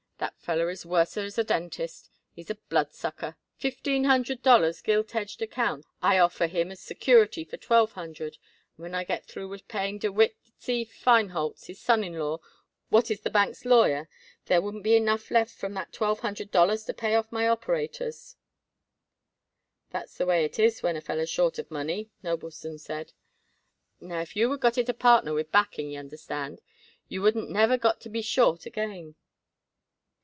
That feller is worser as a dentist. He's a bloodsucker. Fifteen hundred dollars gilt edged accounts I offer him as security for twelve hundred, and when I get through with paying DeWitt C. Feinholtz, his son in law, what is the bank's lawyer, there wouldn't be enough left from that twelve hundred dollars to pay off my operators." "That's the way it is when a feller's short of money," Noblestone said. "Now, if you would got it a partner with backing, y'understand, you wouldn't never got to be short again."